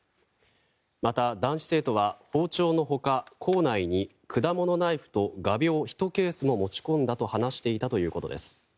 また、男子生徒は包丁の他校内に果物ナイフと画びょう１ケースも持ち込んだと話していたということです。